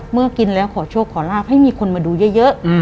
เมื่อกินแล้วขอโชคขอลาบให้มีคนมาดูเยอะ